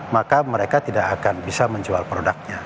maka mereka tidak akan bisa menjual produknya